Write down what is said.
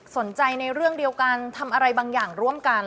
สนใจในเรื่องเดียวกันทำอะไรบางอย่างร่วมกัน